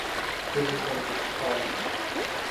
Kryzys będzie trwał